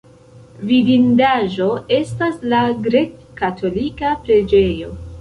Vidindaĵo estas la grek-katolika preĝejo.